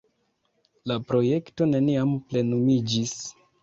La projekto neniam plenumiĝis.